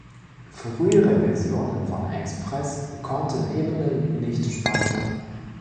Frühere Versionen von Express konnten Ebenen nicht speichern.